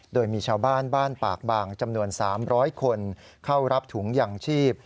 โดยมีชาวบ้านบ้านปากบางจำนวน๓๐๐คนเข้ารับถุงยางชีพ